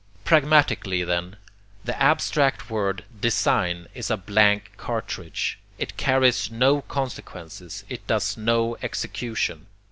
Pragmatically, then, the abstract word 'design' is a blank cartridge. It carries no consequences, it does no execution.